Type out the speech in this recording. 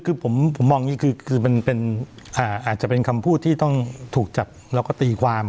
คือผมมองอย่างนี้คือมันอาจจะเป็นคำพูดที่ต้องถูกจับแล้วก็ตีความ